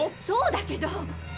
そうだけど。